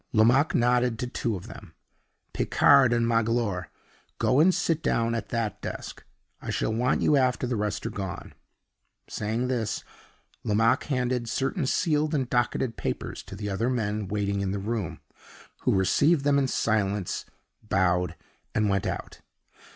Lomaque nodded to two of them. "Picard and Magloire, go and sit down at that desk. I shall want you after the rest are gone." Saying this, Lomaque handed certain sealed and docketed papers to the other men waiting in the room, who received them in silence, bowed, and went out.